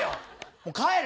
もう帰る！